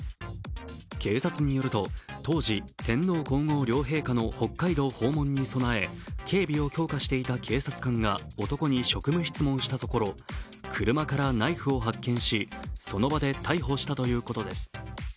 警察によると当時、天皇皇后両陛下の北海道訪問に備え警備を強化していた警察官が男に職務質問したところ、車からナイフを発見し、その場で逮捕したということです。